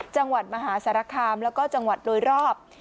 จังหวัดมหาสารคามแล้วก็จังหวัดโดยรอบ